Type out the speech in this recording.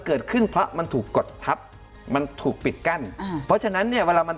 เกิดขึ้นเพราะมันถูกกดทับมันถูกปิดกั้นอ่าเพราะฉะนั้นเนี่ยเวลามัน